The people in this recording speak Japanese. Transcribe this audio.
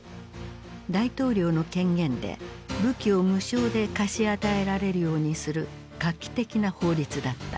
大統領の権限で武器を無償で貸し与えられるようにする画期的な法律だった。